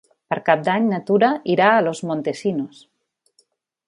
Per Cap d'Any na Tura irà a Los Montesinos.